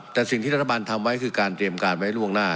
แต่สิ่งที่รัฐบาลทำไว้คือการเตรียมการไว้ล่วงหน้า